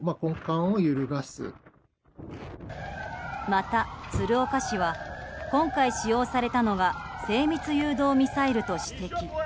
また、鶴岡氏は今回使用されたのは精密誘導ミサイルと指摘。